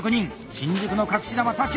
新宿の隠し球・田代